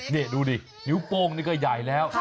เนี่ยดูนิ้วโป้งก็ใหญ่แล้ว